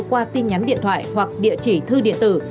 qua tin nhắn điện thoại hoặc địa chỉ thư điện tử